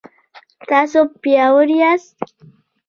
تاسو پیاوړي یاست